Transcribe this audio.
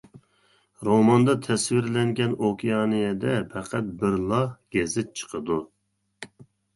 روماندا تەسۋىرلەنگەن ئوكيانىيەدە پەقەت بىرلا گېزىت چىقىدۇ.